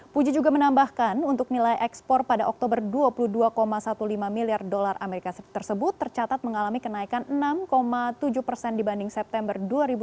puji juga menambahkan untuk nilai ekspor pada oktober dua puluh dua lima belas miliar dolar as tersebut tercatat mengalami kenaikan enam tujuh persen dibanding september dua ribu dua puluh